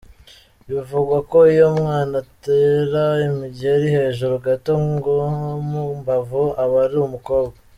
Bivugwa ko iyo umwana atera imigeri hejuru gato nko mu mbavu, aba ari umukobwa.